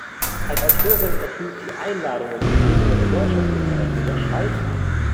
Als Autorin erhielt sie Einladungen zu Lesungen in Deutschland, Österreich und der Schweiz.